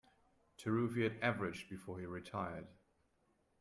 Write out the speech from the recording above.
Taruffi had averaged before he retired.